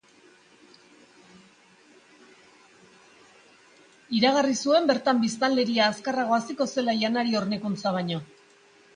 Bertan, biztanleria, janari hornikuntza baino azkarrago haziko zela iragarri zuen.